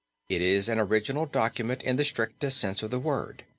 It is an original document in the strictest sense of the word.